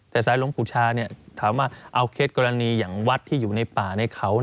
แต่สายหลวงปู่ชาถามว่าเอาเคสกรณีอย่างวัดที่อยู่ในป่าในเขา